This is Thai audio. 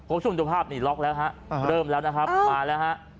คุณผู้ชมดูภาพนี่ล็อกแล้วฮะเริ่มแล้วนะครับมาแล้วฮะ